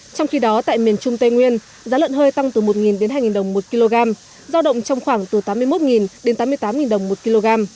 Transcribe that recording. trong khi đó tại miền trung tây nguyên giá lợn hơi tăng từ một đến hai đồng một kg giao động trong khoảng từ tám mươi một đến tám mươi tám đồng một kg